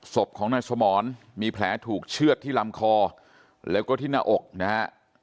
ศพของนายสมรมีแผลถูกเชื่อดที่ลำคอแล้วก็ที่หน้าอกนะฮะ